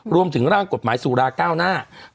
รวมถึงร่างกฎหมายสุราเก้าหน้า